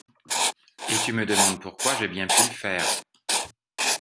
Et tu me demandes pourquoi j’ai bien pu le faire ?